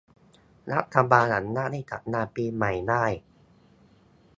รัฐบาลอนุญาตให้จัดงานปีใหม่ได้